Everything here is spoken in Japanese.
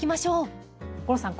吾郎さん